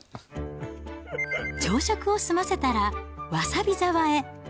朝食を済ませたらわさび沢へ。